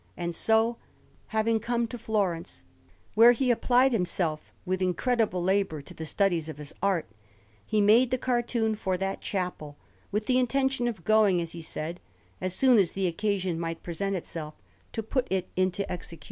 And so, having come to Florence, where he applied himself with incredible labour to the studies of his art, he made the cartoon for that chapel, with the intention of going, as he did, as soon as the occasion might present itself, to put it into execution.